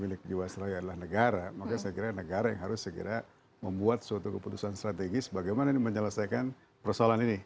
milik jiwasraya adalah negara maka saya kira negara yang harus segera membuat suatu keputusan strategis bagaimana menyelesaikan persoalan ini